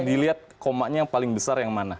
dilihat komanya yang paling besar yang mana